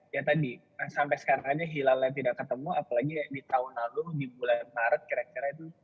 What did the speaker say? ya tadi sampai sekarang aja hilalnya tidak ketemu apalagi di tahun lalu di bulan maret kira kira itu